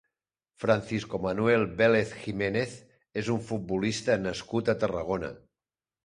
Francisco Manuel Vélez Jiménez és un futbolista nascut a Tarragona.